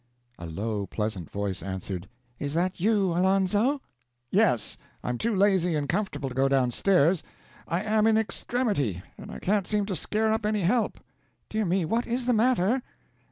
A low, pleasant voice answered, "Is that you, Alonzo?' "Yes. I'm too lazy and comfortable to go downstairs; I am in extremity, and I can't seem to scare up any help." "Dear me, what is the matter?"